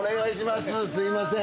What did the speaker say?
すいません。